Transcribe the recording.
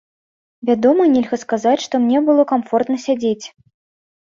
Вядома, нельга сказаць, што мне было камфортна сядзець.